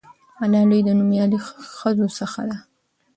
ملالۍ د نومیالۍ ښځو څخه ده.